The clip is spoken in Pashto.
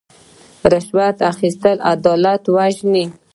رشوت اخیستل عدالت وژني.